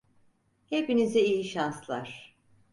Hepinize iyi şanslar.